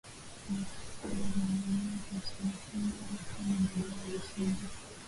Mashifta walilielemea jeshi la Kenya lakini baadae walishindwa